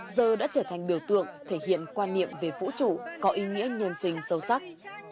giờ đã trở thành biểu tượng thể hiện quan niệm về vũ trụ có ý nghĩa nhân sinh sâu sắc